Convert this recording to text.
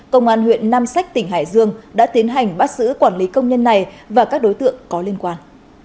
công an huyện nam sách tỉnh hải dương đã tiến hành bắt giữ quản lý công nhân này và các đối tượng có liên quan